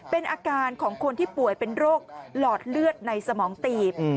เป็นอาการของคนที่ป่วยเป็นโรคหลอดเลือดในสมองตีบ